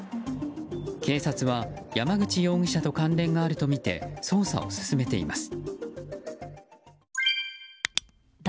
警察は、山口容疑者と関連があるとみて捜査を進めています。